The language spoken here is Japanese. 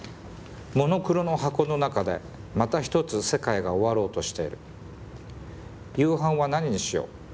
「モノクロの箱の中でまた一つ世界が終わろうとしている夕飯は何にしよう